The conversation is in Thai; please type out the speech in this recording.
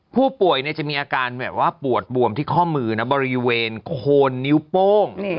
ผู้ป่วยจะมีอาการแบบว่าปวดบวมที่ข้อมือนะบริเวณโคนนิ้วโป้ง